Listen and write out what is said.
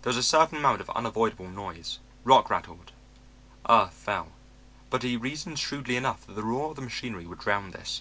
There was a certain amount of unavoidable noise; rock rattled, earth fell; but he reasoned shrewdly enough that the roar of the machinery would drown this.